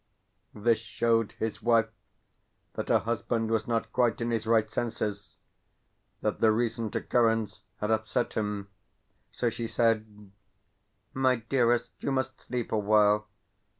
This showed his wife that her husband was not quite in his right senses that the recent occurrence had upset him; so she said: "My dearest, you must sleep awhile."